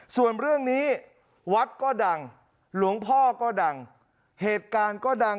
ส่วนเรื่องนี้วัดก็ดังหลวงพ่อก็ดังเหตุการณ์ก็ดัง